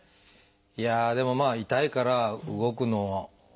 いやあでもまあ痛いから動くのを。